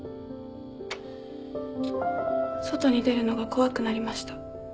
外に出るのが怖くなりました。